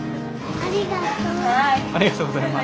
ありがとうございます。